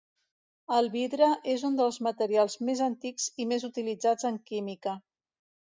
El vidre és un dels materials més antics i més utilitzats en química.